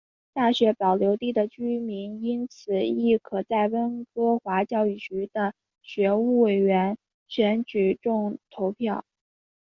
大学保留地的居民因此亦可在温哥华教育局的学务委员选举中投票。